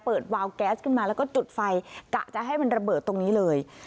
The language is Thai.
วาวแก๊สขึ้นมาแล้วก็จุดไฟกะจะให้มันระเบิดตรงนี้เลย